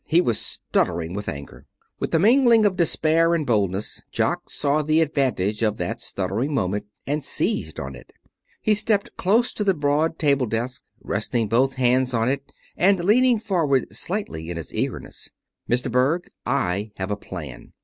He was stuttering with anger. With a mingling of despair and boldness Jock saw the advantage of that stuttering moment and seized on it. He stepped close to the broad table desk, resting both hands on it and leaning forward slightly in his eagerness. "Mr. Berg I have a plan.